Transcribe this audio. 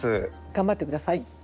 頑張って下さい。